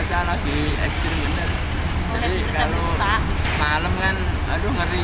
jadi kalau malam kan aduh ngeri juga